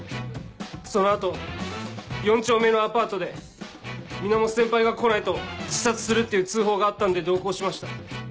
その後４丁目のアパートで源先輩が来ないと自殺するって通報があったんで同行しました。